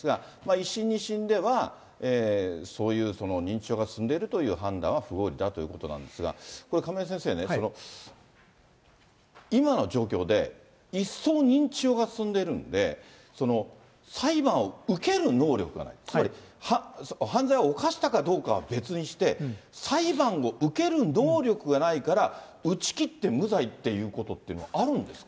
１審、２審では、そういう認知症が進んでいるという判断は不合理だということなんですが、これ亀井先生ね、今の状況で、一層、認知症が進んでるんで、裁判を受ける能力がない、つまり犯罪を犯したかどうかは別にして、裁判を受ける能力がないから、打ち切って無罪っていうことっていうのはあるんですか。